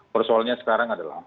persoalannya sekarang adalah